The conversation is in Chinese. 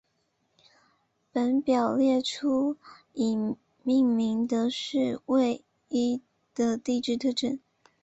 本表列出已命名的土卫一的地质特征。